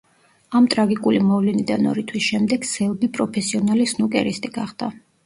ამ ტრაგიკული მოვლენიდან ორი თვის შემდეგ სელბი პროფესიონალი სნუკერისტი გახდა.